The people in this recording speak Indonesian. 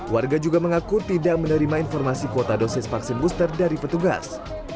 warga juga mengaku tidak menerima informasi kuota dosis vaksin booster dari petugas